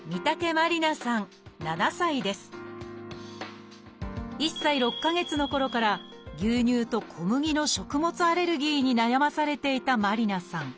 １歳６か月のころから牛乳と小麦の食物アレルギーに悩まされていた麻里凪さん。